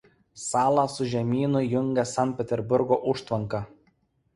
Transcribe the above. Salą su žemynu jungia Sankt Peterburgo užtvanka.